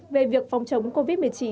về việc phòng chống covid một mươi chín